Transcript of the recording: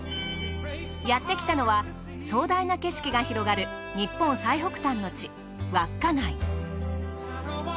やってきたのは壮大な景色が広がる日本最北端の地稚内。